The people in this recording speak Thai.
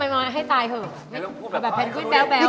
พี่เล่นกับเธอยเหมือนมาก